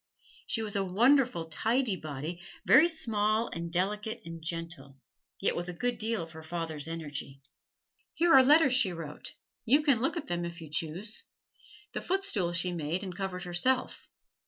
She was a wonderful tidy body, very small and delicate and gentle, yet with a good deal of her father's energy. Here are letters she wrote: you can look at them if you choose. This footstool she made and covered herself.